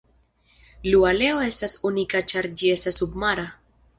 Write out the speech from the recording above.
Iu aleo estas unika ĉar ĝi estas submara.